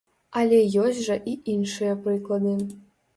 Але ёсць жа і іншыя прыклады.